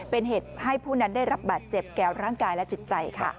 เป็นเหตุให้ผู้นั้นได้รับบาดเจ็บแก่ร่างกายและจิตใจค่ะ